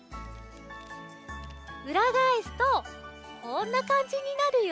うらがえすとこんなかんじになるよ。